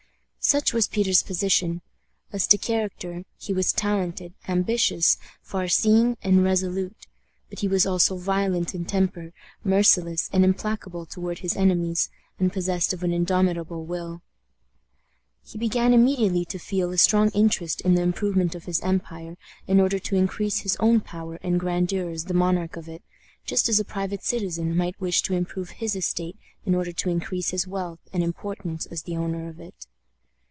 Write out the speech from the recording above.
Such was Peter's position. As to character, he was talented, ambitious, far seeing, and resolute; but he was also violent in temper, merciless and implacable toward his enemies, and possessed of an indomitable will. He began immediately to feel a strong interest in the improvement of his empire, in order to increase his own power and grandeur as the monarch of it, just as a private citizen might wish to improve his estate in order to increase his wealth and importance as the owner of it.